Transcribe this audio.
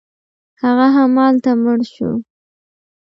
هغه همالته مړ شو.